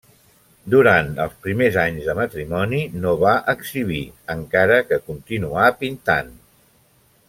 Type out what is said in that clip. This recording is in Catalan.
Durant els primers anys de matrimoni no va exhibir, encara que continuà pintant.